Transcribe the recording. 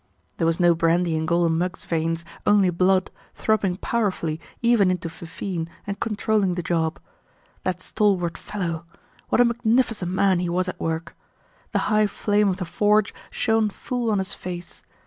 There was no brandy in Golden Mug's veins, only blood, throbbing powerfully even into Fifine and controlling the job. That stalwart fellow! What a magnificent man he was at work. The high flame of the forge shone full on his face.